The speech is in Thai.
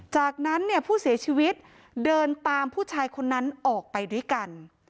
จากนั้นเนี่ยผู้เสียชีวิตเดินตามผู้ชายคนนั้นออกไปด้วยกัน